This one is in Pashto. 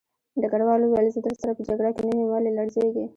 ډګروال وویل زه درسره په جګړه کې نه یم ولې لړزېږې